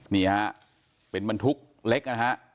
นี่ฮะเป็นบรรทุกเล็กนะฮะ